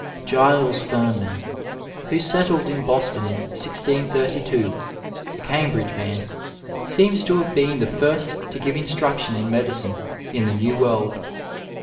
Giles Firman, who settled in Boston in 1632, a Cambridge man, seems to have been the first to give instruction in medicine in the new world.